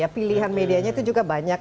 pilihan medianya itu juga banyak